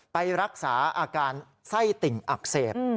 ไปรักษาอาการไส้ติ่งอักเสบ